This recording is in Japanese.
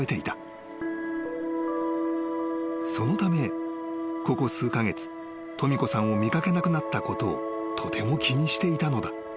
［そのためここ数カ月とみ子さんを見掛けなくなったことをとても気にしていたのだ］